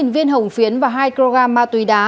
một mươi sáu viên hồng phiến và hai croga ma túy đá